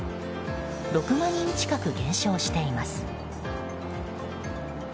６万人近く減少しています。